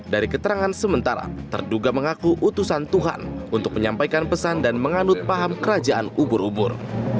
dari keterangan sementara terduga mengaku utusan tuhan untuk menyampaikan pesan dan menganut paham kerajaan ubur ubur